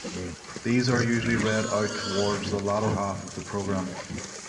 These are usually read out towards the latter half of the programme.